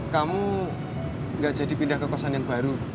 kamu gak jadi pindah ke kosan yang baru